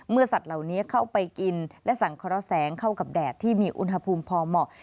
สัตว์เหล่านี้เข้าไปกินและสังเคราะห์แสงเข้ากับแดดที่มีอุณหภูมิพอเหมาะ